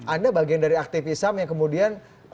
ada bagian dari aktivisam yang kemudian